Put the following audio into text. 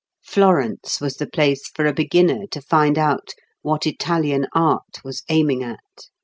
Florence was the place for a beginner to find out what Italian art was aiming at.